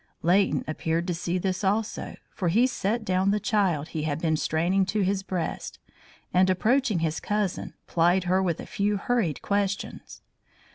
Leighton appeared to see this also, for he set down the child he had been straining to his breast, and approaching his cousin, plied her with a few hurried questions.